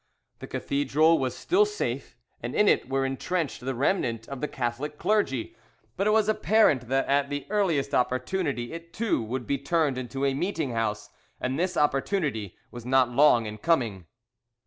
The cathedral was still safe, and in it were entrenched the remnant of the Catholic clergy; but it was apparent that at the earliest opportunity it too would be turned into a meeting house; and this opportunity was not long in coming.